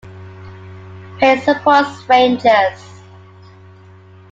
Payne supports Rangers.